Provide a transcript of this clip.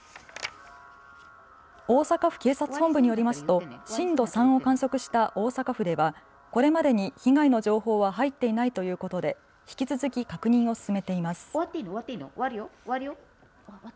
大阪府警察本部によりますと震度３を観測した大阪府では、これまでに被害の情報は入っていないということで引き続き確認を進めています。